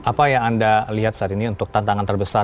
apa yang anda lihat saat ini untuk tantangan terbesar